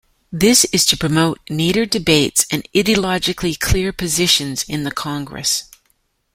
This is to promote neater debates and ideologically clear positions in the Congress.